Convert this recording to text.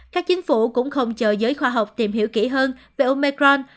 các chính phủ cũng không chờ giới khoa học tìm hiểu kỹ hơn về omecron